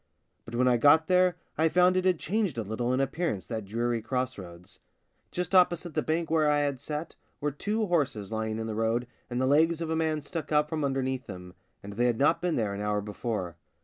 But when I got there I found it had changed a little in appearance, that dreary cross roads. Just opposite the bank where I had sat were two horses lying in the road and the legs of a man stuck out from underneath them, and they had not been there an hour before.